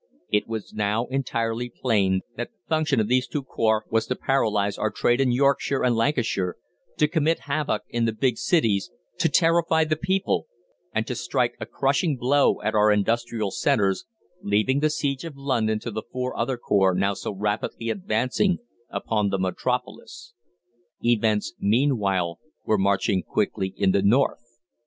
It was now entirely plain that the function of these two corps was to paralyse our trade in Yorkshire and Lancashire, to commit havoc in the big cities, to terrify the people, and to strike a crushing blow at our industrial centres, leaving the siege of London to the four other corps now so rapidly advancing upon the metropolis. Events meanwhile were marching quickly in the North.